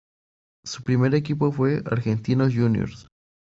Su primer equipo fue Argentinos Juniors.